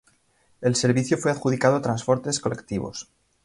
El servicio fue adjudicado a Transportes Colectivos.